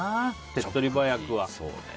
手っ取り早くは。